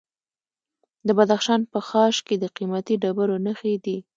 د بدخشان په خاش کې د قیمتي ډبرو نښې دي.